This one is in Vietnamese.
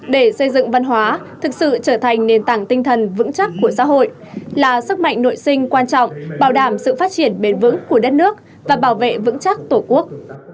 để xây dựng văn hóa thực sự trở thành nền tảng tinh thần vững chắc của xã hội là sức mạnh nội sinh quan trọng bảo đảm sự phát triển bền vững của đất nước và bảo vệ vững chắc tổ quốc